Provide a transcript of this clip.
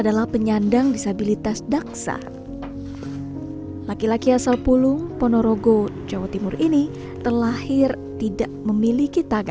dia menemukan seorang laki laki yang berubah kembali